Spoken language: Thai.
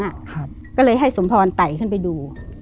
ครับก็เลยให้สมพรไต่ขึ้นไปดู